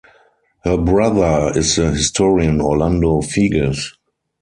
Her brother is the historian Orlando Figes.